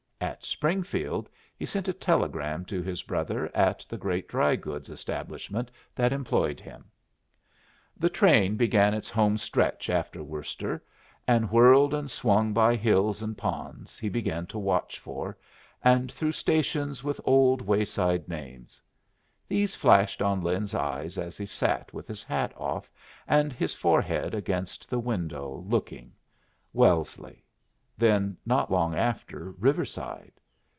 At Springfield he sent a telegram to his brother at the great dry goods establishment that employed him. The train began its homestretch after Worcester, and whirled and swung by hills and ponds he began to watch for, and through stations with old wayside names. These flashed on Lin's eye as he sat with his hat off and his forehead against the window, looking: Wellesley. Then, not long after, Riverside.